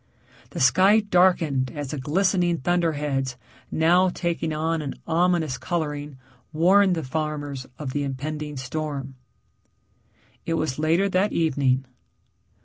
The sky darkened as the glistening thunderheads now taking on an ominous coloring warned the farmers of the impending storm. It was later that evening.